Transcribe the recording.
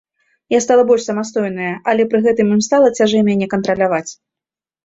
Я стала больш самастойная, але пры гэтым ім стала цяжэй мяне кантраляваць.